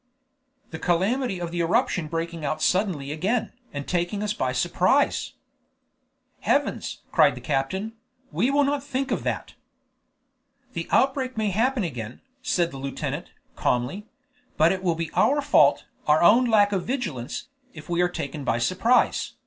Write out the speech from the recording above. "The calamity of the eruption breaking out suddenly again, and taking us by surprise." "Heavens!" cried the captain, "we will not think of that." "The outbreak may happen again," said the lieutenant, calmly; "but it will be our fault, our own lack of vigilance, if we are taken by surprise."